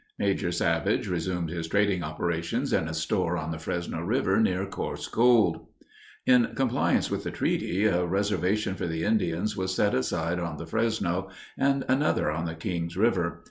Major Savage resumed his trading operations in a store on the Fresno River near Coarse Gold. In compliance with the treaty, a reservation for the Indians was set aside on the Fresno, and another on the Kings River.